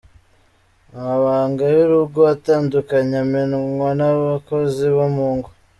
Amabanga y’urugo atandukanye amenwa n’abakozi bo mu ngo.